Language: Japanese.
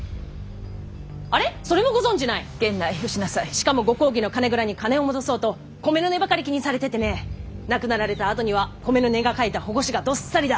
しかもご公儀の金蔵に金を戻そうと米の値ばかり気にされててね亡くなられたあとには米の値が書いた反故紙がどっさりだ。